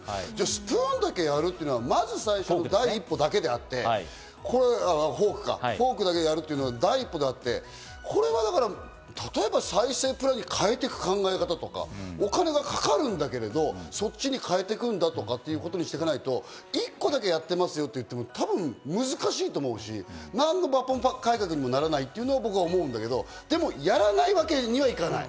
スプーンだけやるっていうのは、まず最初の第一歩だけであって、フォークか、フォークだけやるっていうのは第一歩であって、例えば再生プラに変えていく考えとか、お金がかかるんだけど、そっちに変えていくんだとかいうことにしていかないと、一個だけやってますよと言っても、多分難しいと思うし、なんの抜本改革にもならないというのは僕は思うんだけどでも、やらないわけにはいかない。